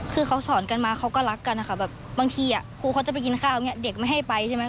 คือเขาสอนกันมาเขาก็รักกันค่ะบางทีครูเขาจะไปกินข้าวเด็กไม่ให้ไปใช่ไหม